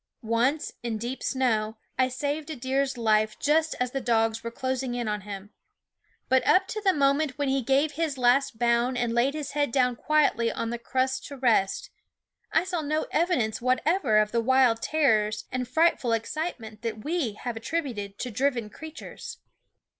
Once, in deep snow, I saved a deer's life just as the dogs were closing in on him ; but up to the moment when he gave his last bound and laid his head down quietly on the crust to rest, I saw no evi dence whatever of the wild terrors and frightful excitement that we have attributed to driven creatures.